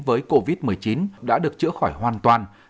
với covid một mươi chín đã được chữa khỏi hoàn toàn